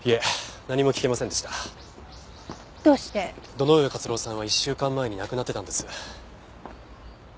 堂上克郎さんは１週間前に亡くなってたんです。